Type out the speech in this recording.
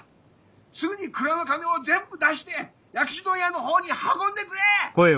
すぐに蔵の金を全部出して薬種問屋の方に運んでくれ！